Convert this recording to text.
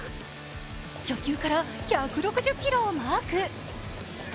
初球から１６０キロをマーク。